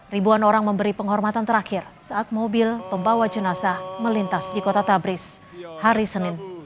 ribuan orang memberi penghormatan terakhir saat mobil pembawa jenazah melintas di kota tabris hari senin